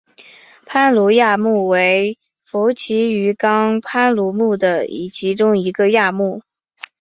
攀鲈亚目为辐鳍鱼纲攀鲈目的其中一个亚目。